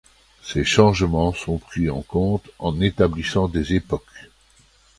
Ces changements sont pris en compte en établissant des époques.